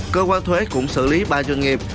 cơ quan thuế cũng xử lý ba doanh nghiệp